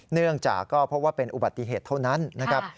เนื่องจากก็เพราะว่าเป็นอุบัติเหตุเท่านั้นนะครับ